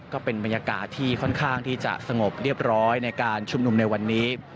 ก็เป็นบรรยากาศที่ค่อนข้างที่จะสงบเรียบร้อยในการชุมนุมในวันนี้